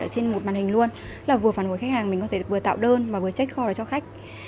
ở trên một màn hình luôn là vừa phản hồi khách hàng mình có thể vừa tạo đơn và vừa trách kho cho khách